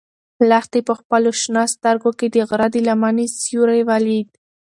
لښتې په خپلو شنه سترګو کې د غره د لمنې سیوری ولید.